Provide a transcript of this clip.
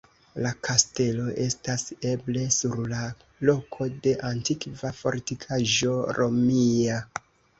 La kastelo estas eble sur la loko de antikva fortikaĵo romia.